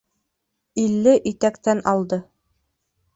Илле итәктән алды